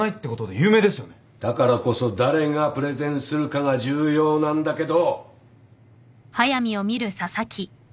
だからこそ誰がプレゼンするかが重要なんだけど。